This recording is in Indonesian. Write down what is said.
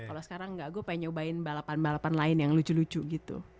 kalau sekarang nggak gue pengen nyobain balapan balapan lain yang lucu lucu gitu